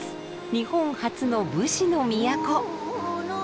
日本初の武士の都。